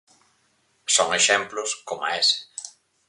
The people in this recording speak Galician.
Son exemplos coma ese.